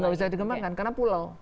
nggak bisa dikembangkan karena pulau